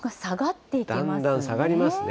だんだん下がりますね。